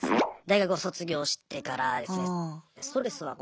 大学を卒業してからですね。